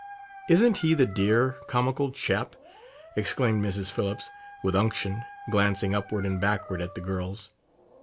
"Isn't he the dear, comical chap!" exclaimed Mrs. Phillips, with unction, glancing upward and backward at the girls.